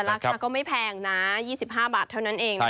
แต่ละครับก็ไม่แพงนะ๒๕บาทเท่านั้นเองนะครับ